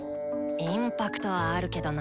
インパクトはあるけどな。